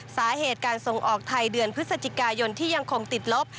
สาเหตุการส่งออกไทยเดือนพฤศจิกายนที่ยังคงติดลบ